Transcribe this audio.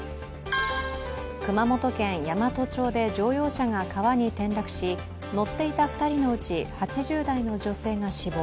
熊本県山都町で乗用車が川に転落し、乗っていた２人のうち８０歳の女性が死亡。